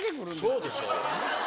そうでしょ。